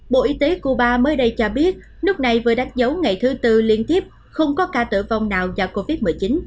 bộ y tế cuba mới đây cho biết nước này vừa đánh dấu ngày thứ tư liên tiếp không có ca tử vong nào do covid một mươi chín